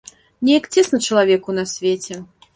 Неяк цесна чалавеку на свеце.